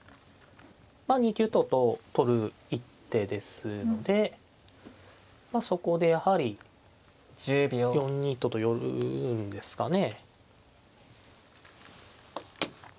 ２九とと取る一手ですのでそこでやはり４二とと寄るんですかね。